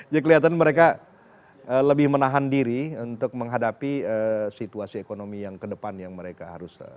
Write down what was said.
jadi kelihatan mereka lebih menahan diri untuk menghadapi situasi ekonomi yang ke depan yang mereka harus